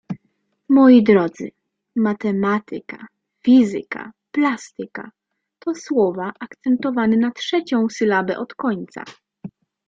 Moi drodzy: Matematyka, fizyka, plastyka to słowa akcentowane na trzecią sylabę od końca.